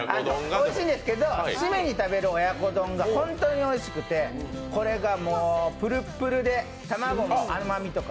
おいしいんですけど、締めに食べる親子丼が本当においしくて、これがもう、プルップルで卵の甘みとか。